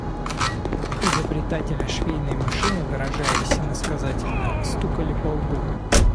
Изобретателя швейной машины, выражаясь иносказательно, стукали по лбу.